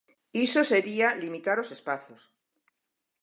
Iso sería limitar os espazos.